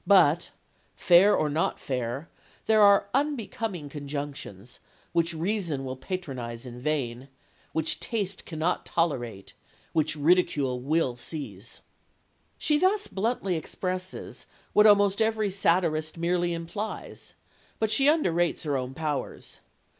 But, fair or not fair, there are unbecoming conjunctions, which reason will patronize in vain which taste cannot tolerate which ridicule will seize." She thus bluntly expresses what almost every satirist merely implies, but she underrates her own powers.